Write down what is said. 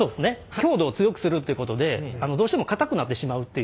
強度を強くするってことでどうしても硬くなってしまうっていう。